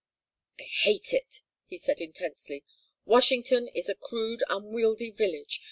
"I hate it!" he said intensely. "Washington is a crude unwieldy village.